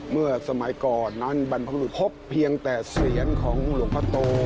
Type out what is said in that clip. เมื่อสมัยก่อนนั้นบรรพบรุษพบเพียงแต่เสียงของหลวงพ่อโต